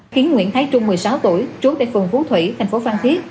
khiến nguyễn thái trung một mươi sáu tuổi trú tại phường phú thủy thành phố phan thiết